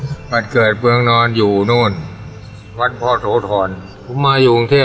๘๗แล้ววันเกิดเบื้องนอนอยู่นู้นวัดพ่อโถทรผมมาอยู่กรุงเทพฯ